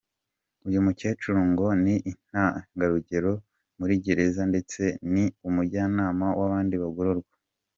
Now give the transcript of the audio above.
Uyu mukecuru ngo ni intangarugero muri gereza ndetse ni n’ umujyanama w’ abandi bagororwa.